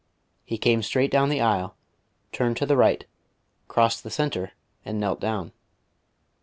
He came straight down the aisle, turned to the right, crossed the centre and knelt down.